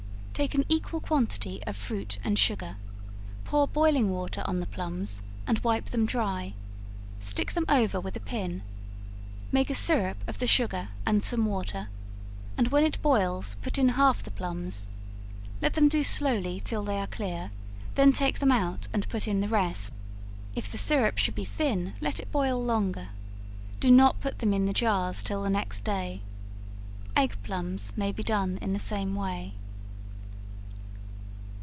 Take an equal quantity of fruit and sugar, pour boiling water on the plums, and wipe them dry; stick them over with a pin; make a syrup of the sugar and some water, and when it boils, put in half of the plums; let them do slowly till they are clear, then take them out and put in the rest; if the syrup should be thin, let it boil longer. Do not put them in the jars till the next day. Egg plums may be done in the same way.